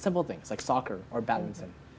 seperti bola bola atau badminton